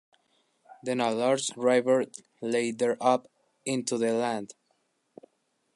Then a large river lay there up into the land.